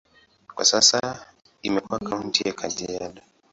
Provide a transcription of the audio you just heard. Kwa sasa imekuwa kaunti ya Kajiado.